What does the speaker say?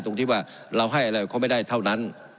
ตรงที่ว่าเราให้อะไรเขาไม่ได้เท่านั้น